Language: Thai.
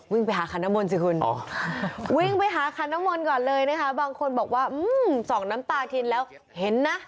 วิ่งไปหาคันนโมนสิวิ่งไปหาคันนโมนก่อนเลยนะคะบางคนบอกว่าอื้มมส่องน้ำตากินแล้วเห็นน่ะ